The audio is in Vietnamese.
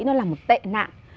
nó là một tệ nạn